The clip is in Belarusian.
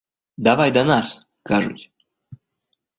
Давай да нас, кажуць.